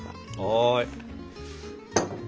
はい。